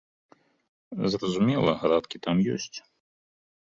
Зразумела, градкі там ёсць.